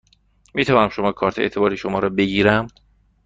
می توانم شماره کارت اعتباری شما را بگیرم؟